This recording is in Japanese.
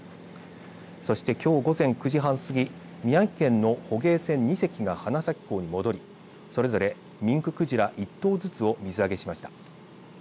そして、きょう午前９時半過ぎ宮城県の捕鯨船２隻が花咲港に戻りそれぞれミンククジラ１頭ずつを水揚げしました。